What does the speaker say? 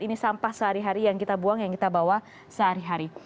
ini sampah sehari hari yang kita buang yang kita bawa sehari hari